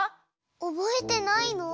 おぼえてないの？